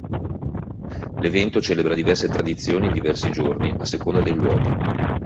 L'evento celebra diverse tradizioni in diversi giorni, a seconda dei luoghi.